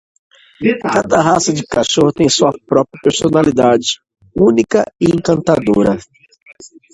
Cada raça de cachorro tem sua própria personalidade única e encantadora.